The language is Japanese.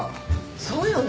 そうよね。